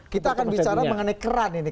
kita akan bicara mengenai keran ini